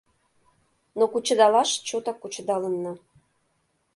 Но кучедалаш чотак кучедалынна.